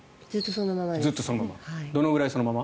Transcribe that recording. どのぐらいそのまま？